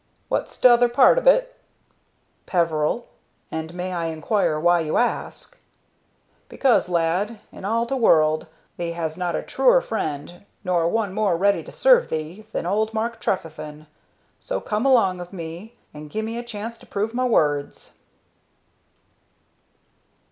"What's t'other part of it?" "Peveril. And may I inquire why you ask?" "Because, lad, in all t'world thee has not a truer friend, nor one more ready to serve thee, than old Mark Trefethen. So come along of me, and gi' me a chance to prove my words."